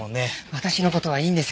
私の事はいいんです。